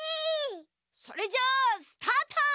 それじゃスタート！